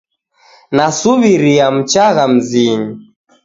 Nasuw'iria muchagha mzinyi.